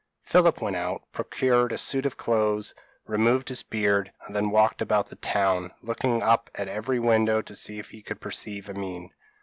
p> Philip went out, procured a suit of clothes, removed his beard, and then walked about the town, looking up at every window to see if he could perceive Amine.